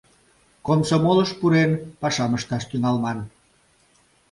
— Комсомолыш пурен, пашам ышташ тӱҥалман!